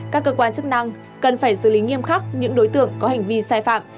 các cơ quan chức năng cần phải xử lý nghiêm khắc những đối tượng có hành vi sai phạm